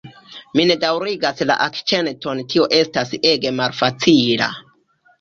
Mi ne daŭrigas la akĉenton tio estas ege malfacila